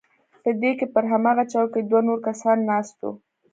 په دې کښې پر هماغه چوکۍ دوه نور کسان ناست وو.